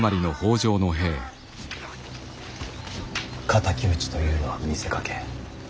敵討ちというのは見せかけ。